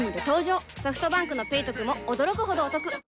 ソフトバンクの「ペイトク」も驚くほどおトク